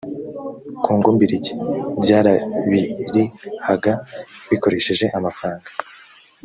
kongo mbirigi byarabirihaga bikoresheje amafaranga